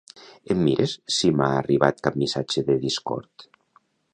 Em mires si m'ha arribat cap missatge de Discord?